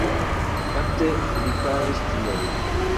Fakte, li faris tion